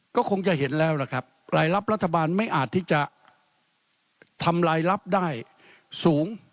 ก็คงจะเห็นแล้วล่ะครับรายรับรัฐบาลไม่อาจที่จะทำลายลับได้สูง